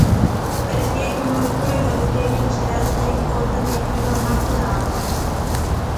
Parecíalle unha loucura e parecíalle exaxerado ter en conta a Directiva marco da auga.